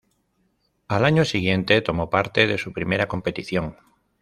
Al año siguiente tomó parte de su primera competición.